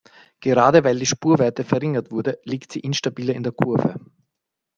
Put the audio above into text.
Gerade weil die Spurweite verringert wurde, liegt sie instabiler in der Kurve.